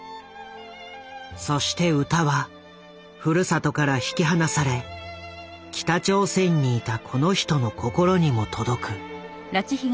そして歌はふるさとから引き離され北朝鮮にいたこの人の心にも届く。